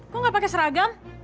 kamu gak pakai seragam